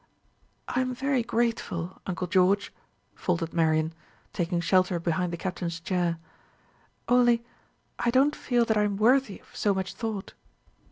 "I am very grateful, uncle George," faltered Marian, taking shelter behind the Captain's chair; "only I don't feel that I am worthy of so much thought."